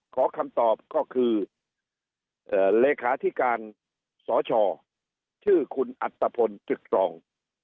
ขอคำตอบก็คือเอ่อเลขาที่การสชชื่อคุณอัตตะพลจึกรอง